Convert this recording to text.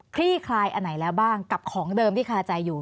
ลี่คลายอันไหนแล้วบ้างกับของเดิมที่คาใจอยู่